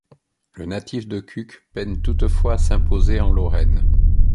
Le natif de Cucq peine toutefois à s'imposer en Lorraine.